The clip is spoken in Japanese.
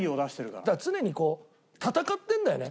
だから常に戦ってるんだよね。